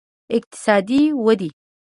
اقتصادي ودې